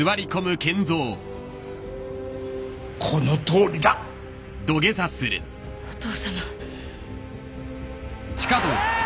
このとおりだ！お父さま。